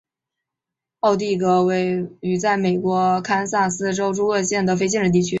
奥蒂戈为位在美国堪萨斯州朱厄尔县的非建制地区。